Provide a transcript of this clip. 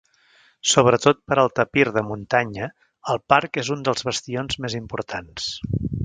Sobretot per al tapir de muntanya el parc és un dels bastions més importants.